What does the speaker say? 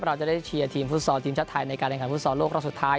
เราจะได้เชียร์ทีมฟุตซอลทีมชาติไทยในการแข่งขันฟุตซอลโลกรอบสุดท้าย